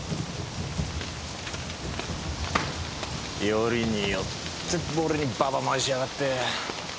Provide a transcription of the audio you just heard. よりによって俺にババ回しやがって。